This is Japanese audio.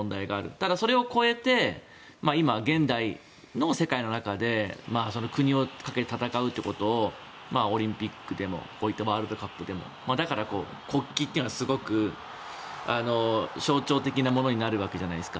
ただそれを超えて今、現代の世界の中で国をかけて戦うということをオリンピックでもこういったワールドカップでもだから国旗というのはすごく象徴的なものになるわけじゃないですか。